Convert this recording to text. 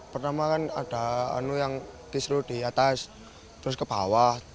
pertama kan ada yang kisru di atas terus ke bawah